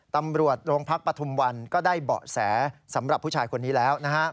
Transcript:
ตำรวจโรงพักปฐุมวันก็ได้เบาะแสสำหรับผู้ชายคนนี้แล้วนะครับ